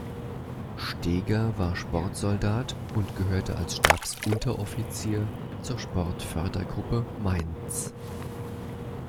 Steger war Sportsoldat und gehörte als Stabsunteroffizier zur Sportfördergruppe Mainz.